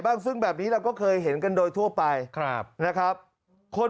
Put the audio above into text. ซึ่งแบบนี้เราก็เคยเห็นกันโดยทั่วไปครับนะครับคน